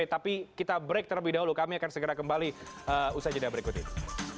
tapi kita break terlebih dahulu kami akan segera kembali usaha jeda berikut ini